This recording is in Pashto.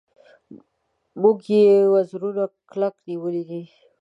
موږ یې وزرونه کلک نیولي دي.